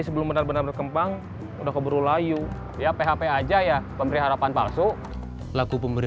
sebelum benar benar berkembang udah keburu layu ya php aja ya pemberi harapan palsu laku pemberi